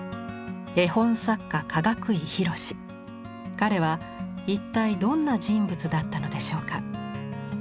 彼は一体どんな人物だったのでしょうか？